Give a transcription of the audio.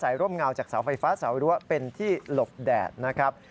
ก็อาศัยร่มเงาจากสาวไฟฟ้าสาวรั้วเป็นที่หลบแดดนะครับ